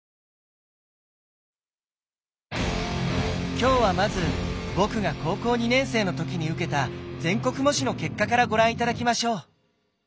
今日はまず僕が高校２年生の時に受けた全国模試の結果からご覧頂きましょう。